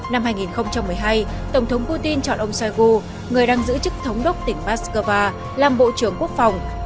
năm hai nghìn một mươi hai tổng thống putin chọn ông saigu người đang giữ chức thống đốc tỉnh moscow làm bộ trưởng quốc phòng